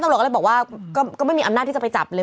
ตำรวจก็ไม่มีอำนาจที่จะไปจับไปเลย